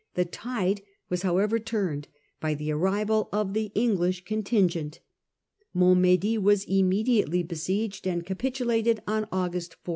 The tide was however turned by the arrival of the English contingent. Montmddy was immediately besieged, and capitulated on August 4.